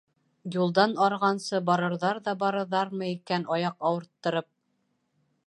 Юлдан арығансы барырҙар ҙа барырҙармы икән аяҡ ауырттырып?